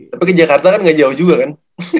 tapi ke jakarta kan gak jauh juga kan